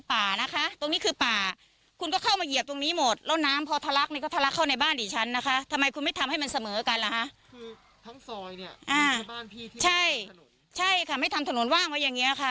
ทั้งซอยเนี้ยอ่าใช่ใช่ค่ะไม่ทำถนนว่างไว้อย่างเงี้ยค่ะ